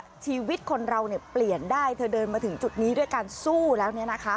เธอบอกว่าชีวิตคนเราเนี่ยเปลี่ยนได้เธอเดินมาถึงจุดนี้ด้วยการสู้แล้วเนี่ยนะคะ